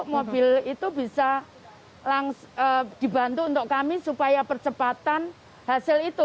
mobil itu bisa dibantu untuk kami supaya percepatan hasil itu